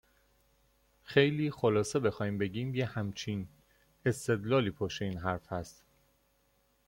خیلی خلاصه بخوایم بگیم یه همچین استدلالی پشت این حرف هست